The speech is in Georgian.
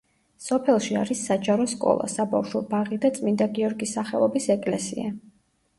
სოფელში არის საჯარო სკოლა, საბავშვო ბაღი და წმინდა გიორგის სახელობის ეკლესია.